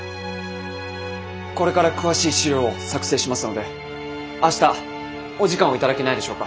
これから詳しい資料を作成しますので明日お時間を頂けないでしょうか。